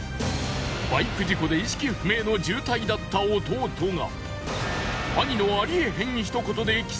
バイク事故で意識不明の重体だった弟が。